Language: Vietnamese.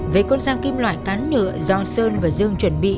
về con dao kim loại tán nửa do sơn và dương chuẩn bị